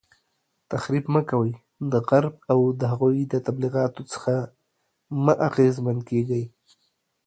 تخریب مه کوئ، د غرب او د هغوی د تبلیغاتو څخه مه اغیزمن کیږئ